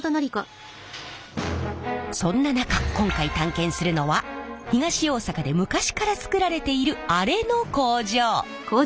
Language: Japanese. そんな中今回探検するのは東大阪で昔から作られているあれの工場。